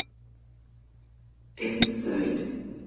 Es Syd'.